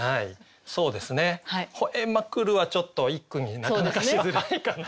そうですね「吠えまくる」はちょっと一句になかなかしづらいかなと。